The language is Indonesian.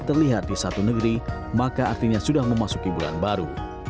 terlihat di satu negeri maka artinya sudah memasuki bulan baru